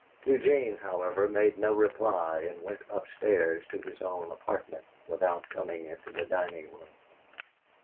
Eugene, however, made no reply and went up stairs to his own apartment without coming into the dining room.